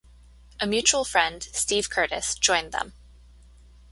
A mutual friend, Steve Curtis, joined them.